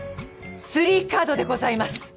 スリーカードでございます。